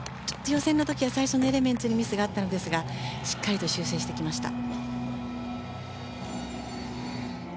予選の時は最初のエレメンツにミスがあったんですがしっかりと修正してきました。